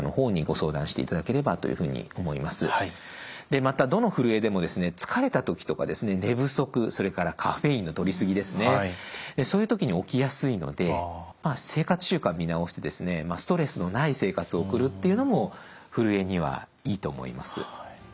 でまたどのふるえでも疲れた時とか寝不足それからカフェインのとりすぎですねそういう時に起きやすいので生活習慣を見直してストレスのない生活を送るっていうのもふるえにはいいと思います。